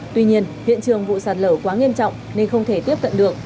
tuy nhiên hiện trường vụ sạt lở quá nghiêm trọng nên không thể tiếp cận được